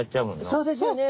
そうですよね。